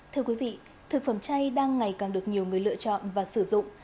thưa quý vị thực phẩm chay đang ngày càng được nhiều người lựa chọn và sử dụng